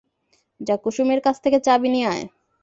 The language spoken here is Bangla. যা কুসুমের কাছ থেকে চাবি নিয়ে আয়।